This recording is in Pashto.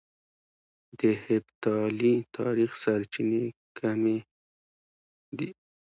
د هېپتالي تاريخ سرچينې کمې دي